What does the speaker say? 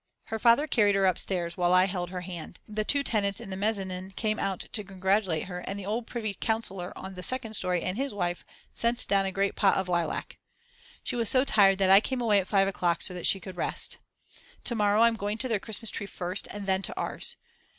Her father carried her upstairs while I held her hand. The two tenants in the mezzanin came out to congratulate her and the old privy councillor on the second story and his wife sent down a great pot of lilac. She was so tired that I came away at 5 o'clock so that she could rest. To morrow I'm going to their Christmas tree first and then to ours.